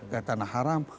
ke tanah haram